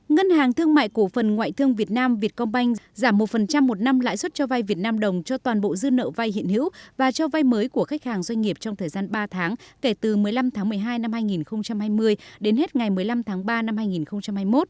ngân hàng thương mại cổ phần ngoại thương việt nam vietcombank giảm một một năm lãi suất cho vay việt nam đồng cho toàn bộ dư nợ vay hiện hữu và cho vay mới của khách hàng doanh nghiệp trong thời gian ba tháng kể từ một mươi năm tháng một mươi hai năm hai nghìn hai mươi đến hết ngày một mươi năm tháng ba năm hai nghìn hai mươi một